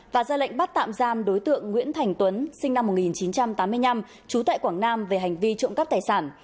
và ra lệnh bắt tạm giam đối tượng nguyễn thành tuấn sinh năm một nghìn chín trăm tám mươi năm trú tại quảng nam về hành vi trộm cắp tài sản